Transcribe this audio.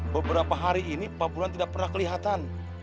beberapa hari ini pak buron tidak pernah kelihatan